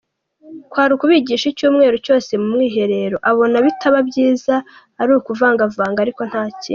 Kwari ukubigisha icyumweru cyose mu mwiherero, abona bitaba byiza ari ukuvangavanga ariko ntakindi.